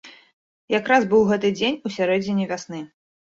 Якраз быў гэты дзень у сярэдзіне вясны.